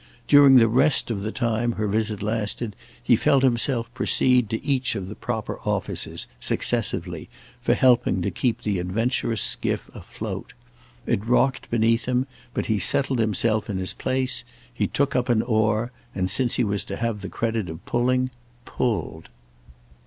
During the rest of the time her visit lasted he felt himself proceed to each of the proper offices, successively, for helping to keep the adventurous skiff afloat. It rocked beneath him, but he settled himself in his place. He took up an oar and, since he was to have the credit of pulling, pulled.